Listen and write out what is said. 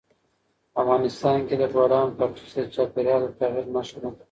افغانستان کې د بولان پټي د چاپېریال د تغیر نښه ده.